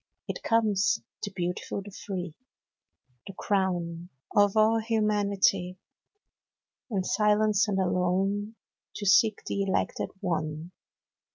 It comes, — the beautiful, the free, Tl: >wn of all humanity, — In silence and alone 2Q To seek the elected one.